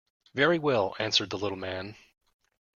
"Very well," answered the little man.